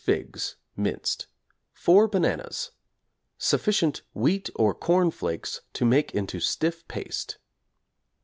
figs (minced); 4 bananas; sufficient 'Wheat or Corn Flakes' to make into stiff paste.